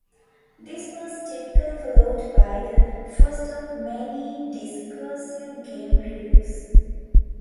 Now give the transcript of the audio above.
This was typically followed by the first of many discursive game reviews.